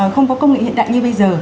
không có công nghệ hiện đại như bây giờ